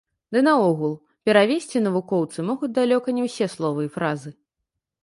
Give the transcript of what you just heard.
Ды наогул, перавесці навукоўцы могуць далёка не ўсе словы і фразы.